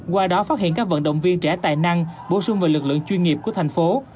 qua đó phát hiện các vận động viên trẻ tài năng bổ sung về lực lượng chuyên nghiệp của thành phố